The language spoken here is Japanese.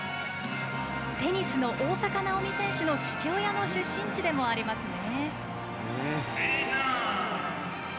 テニスの大坂なおみ選手の父親の出身地でもありますね。